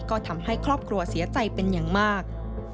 ก็ทำให้ครอบครัวเสียใจเป็นอย่างมาก